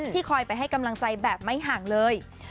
คอยไปให้กำลังใจแบบไม่ห่างเลย